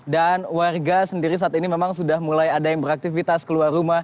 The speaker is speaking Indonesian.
dan warga sendiri saat ini memang sudah mulai ada yang beraktivitas keluar rumah